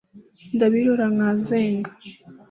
ndabirora nkazenga